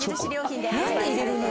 何で入れるのよ